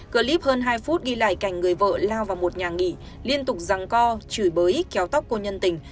clip hơn hai phút ghi lại cảnh người vợ lao vào một nhà nghỉ liên tục răng co chửi bới kéo tóc cô nhân tình